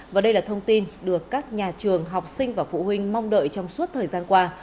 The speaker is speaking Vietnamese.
và đây là thông tin được các nhà trường học sinh và phụ huynh mong đợi trong suốt thời gian qua